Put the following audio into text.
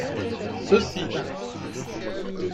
ceux-ci.